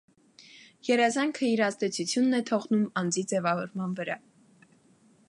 Երազանքը իր ազդեցությունն է թողնում անձի ձևավորման վրա։